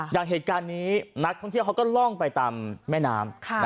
อย่างเหตุการณ์นี้นักท่องเที่ยวเขาก็ล่องไปตามแม่น้ำ